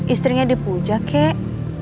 istrinya dipuja kek